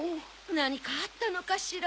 なにかあったのかしら？